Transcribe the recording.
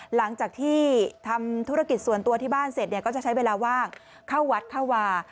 หลังจากที่ทำธุรกิจส่วนตัวที่บ้านเสร็จเนี่ยก็จะใช้เวลาว่างเข้าวัดเข้าวา